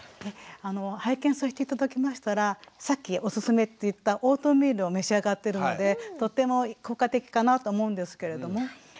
拝見させて頂きましたらさっきおすすめって言ったオートミールを召し上がっているのでとても効果的かなと思うんですけれども。